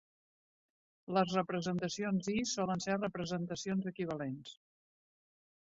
Les representacions "i" solen ser representacions equivalents.